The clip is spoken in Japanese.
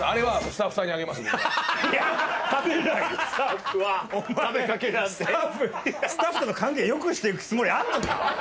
スタッフとの関係良くしていくつもりあるのか？